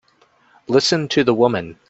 Listen to the woman!